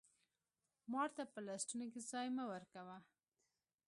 مار ته په لستوڼي کي ځای مه ورکوه!